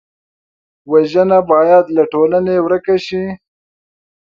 وژنه باید له ټولنې ورک شي